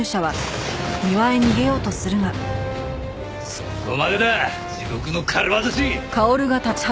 そこまでだ地獄の軽業師！